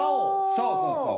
そうそうそう。